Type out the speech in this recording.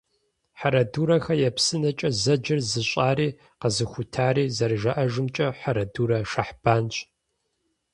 «Хьэрэдурэхэ я псынэкӀэ» зэджэр зыщӀари, къэзыхутари, зэрыжаӀэжымкӀэ, Хьэрэдурэ Шэхьбанщ.